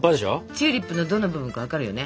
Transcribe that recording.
チューリップのどの部分か分かるよね？